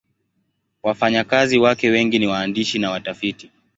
Wafanyakazi wake wengi ni waandishi na watafiti.